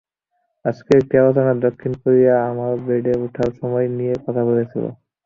আজকের একটি আলোচনায় দক্ষিণ কোরিয়ায় আমার বেড়ে ওঠার সময় নিয়ে কথা বলছিলাম।